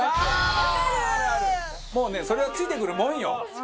もうねそれはついてくるもんよ。